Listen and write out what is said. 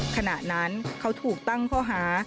ขณะนั้นเขาถูกตั้งข้อหา